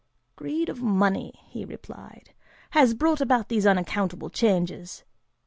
"Greed of money," he replied, "has brought about these unaccountable changes.